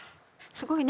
すごいね。